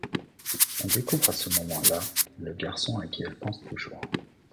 On découvre à ce moment-là le garçon à qui elle pense toujours.